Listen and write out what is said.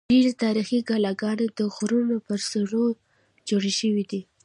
ډېری تاریخي کلاګانې د غرونو پر سرونو جوړې شوې دي.